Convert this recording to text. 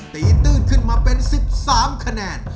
ตื้นขึ้นมาเป็น๑๓คะแนน